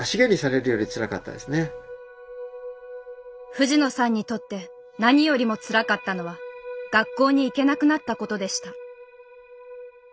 藤野さんにとって何よりもつらかったのは学校に行けなくなったことでした。